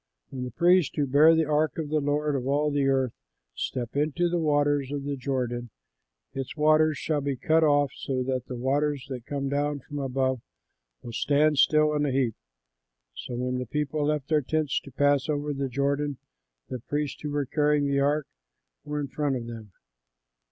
When the priests who bear the ark of the Lord of all the earth step into the waters of the Jordan, its waters shall be cut off, so that the waters that come down from above will stand still in a heap." So when the people left their tents to pass over the Jordan, the priests, who were carrying the ark were in front of them.